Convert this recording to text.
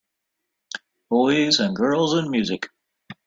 Boys and girls and music.